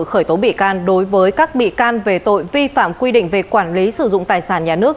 khởi tố bị can đối với các bị can về tội vi phạm quy định về quản lý sử dụng tài sản nhà nước